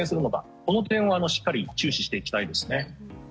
この点はしっかり注視していきたいですね。